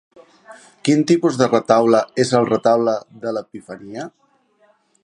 Quin tipus de retaule és El Retaule de l'Epifania?